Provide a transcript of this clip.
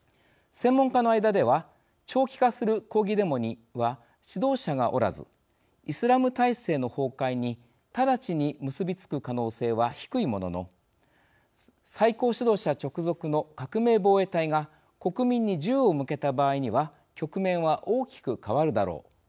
専門家の間では長期化する抗議デモには指導者がおらずイスラム体制の崩壊に直ちに結び付く可能性は低いものの最高指導者直属の革命防衛隊が国民に銃を向けた場合には局面は大きく変わるだろう。